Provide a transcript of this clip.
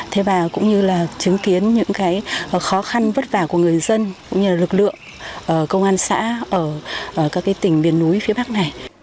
thế và cũng như là chứng kiến những cái khó khăn vất vả của người dân cũng như là lực lượng công an xã ở các cái tỉnh biển núi phía bắc này